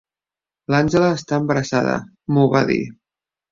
L'Angela està embarassada, m'ho va dir.